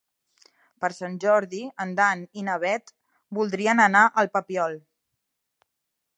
Per Sant Jordi en Dan i na Bet voldrien anar al Papiol.